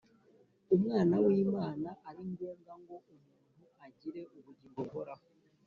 Umwana w'Imana ari ngombwa ngo umuntu agire ubugingo buhoraho?